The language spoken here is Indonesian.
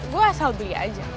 gue asal beli aja